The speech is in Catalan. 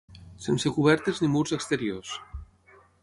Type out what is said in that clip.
Sense cobertes ni murs exteriors.